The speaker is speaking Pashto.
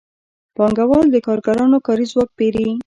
پانګوال د کارګرانو کاري ځواک پېري